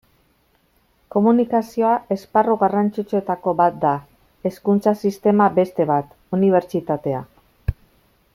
Komunikazioa esparru garrantzitsuetako bat da, hezkuntza sistema beste bat, unibertsitatea...